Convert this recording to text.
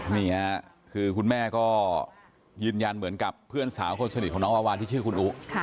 นี่ค่ะคือคุณแม่ก็ยืนยันเหมือนกับเพื่อนสาวคนสนิทของน้องวาวานที่ชื่อคุณอุ